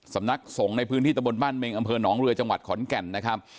สำนักสงฆ์ในพื้นที่ตะบนบ้านเมงอำเภอหนองเรือจังหวัดขอนแก่นนะครับ